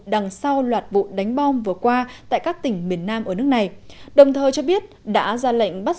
đằng sau loạt vụ đánh bom vừa qua tại các tỉnh miền nam ở nước này đồng thời cho biết đã ra lệnh bắt